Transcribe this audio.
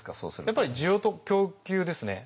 やっぱり需要と供給ですね。